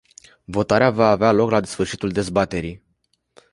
Votarea va avea loc la sfârșitul dezbaterii.